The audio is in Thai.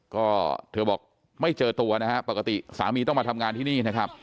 ก็เธอบอกไม่เจอตัวปกติสามีต้องมาทำงานที่นี่